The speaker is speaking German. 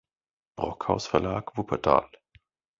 Brockhaus Verlag Wuppertal“.